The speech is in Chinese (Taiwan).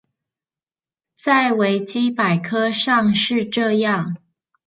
在維基百科上是這樣